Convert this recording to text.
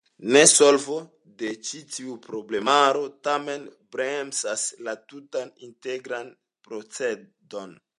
Nesolvo de ĉi tiu problemaro tamen bremsas la tutan integran procedon.